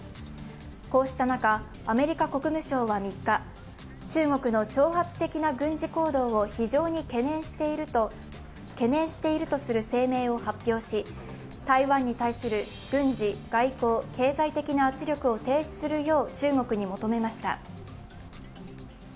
こうした中、アメリカ国務省は３日中国の挑発的な軍事行動を非常に懸念しているとする声明を発表し台湾に対する軍事、外交、経済的な圧力を停止するよう中国に求めました。